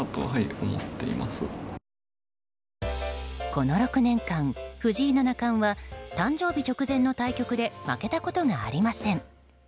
この６年間、藤井七冠は誕生日直前の対局で負けたことがありません。